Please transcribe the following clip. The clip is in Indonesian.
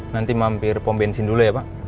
nanti mampir pom bensin dulu ya pak